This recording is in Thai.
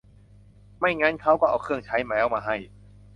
ไม่งั้นเขาก็เอาเครื่องใช้แล้วมาให้